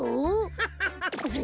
ハハハッ。